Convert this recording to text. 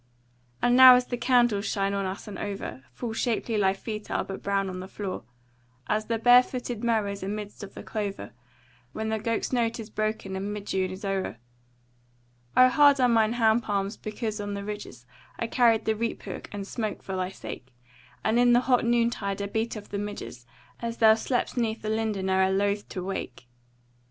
And now as the candles shine on us and over, Full shapely thy feet are, but brown on the floor, As the bare footed mowers amidst of the clover When the gowk's note is broken and mid June is o'er. O hard are mine hand palms because on the ridges I carried the reap hook and smote for thy sake; And in the hot noon tide I beat off the midges As thou slep'st 'neath the linden o'er loathe to awake.